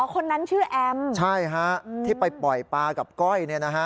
อ๋อคนนั้นชื่อแอมใช่ค่ะที่ไปปล่อยปลากับก้อย